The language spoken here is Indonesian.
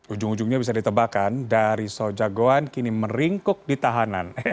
ujung ujungnya bisa ditebakan dari soja goan kini meringkuk di tahanan